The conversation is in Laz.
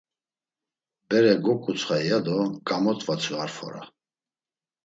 Bere goǩutsxay ya do gamot̆vatsu ar fora.